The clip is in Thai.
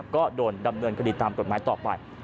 ก็โดนดำเนินคดีตามกฎหมายต่อไป